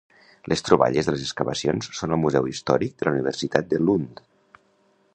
Les troballes de les excavacions són al Museu Històric de la Universitat de Lund.